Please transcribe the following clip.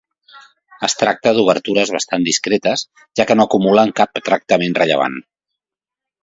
Es tracta d'obertures bastant discretes, ja que no acumulen cap tractament rellevant.